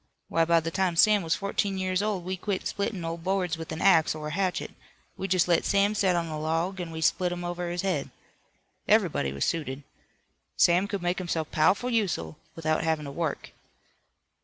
Why, by the time Sam was fourteen years old we quit splittin' old boards with an axe or a hatchet. We jest let Sam set on a log an' we split 'em over his head. Everybody was suited. Sam could make himself pow'ful useful without havin' to work."